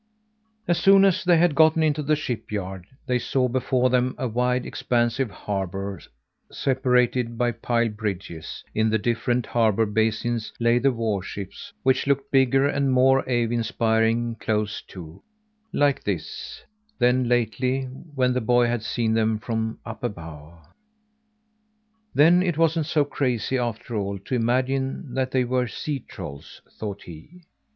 As soon as they had gotten into the shipyard, they saw before them a wide, expansive harbor separated by pile bridges. In the different harbour basins, lay the warships, which looked bigger, and more awe inspiring close to, like this, than lately, when the boy had seen them from up above. "Then it wasn't so crazy after all, to imagine that they were sea trolls," thought he.